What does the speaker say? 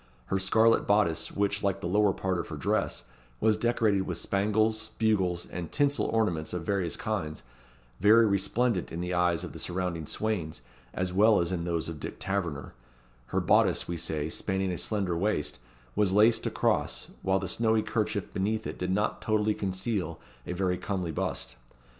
Her scarlet bodice, which, like the lower part of her dress, was decorated with spangles, bugles, and tinsel ornaments of various kinds, very resplendent in the eyes of the surrounding swains, as well as in those of Dick Taverner, her bodice, we say, spanning a slender waist, was laced across, while the snowy kerchief beneath it did not totally conceal a very comely bust.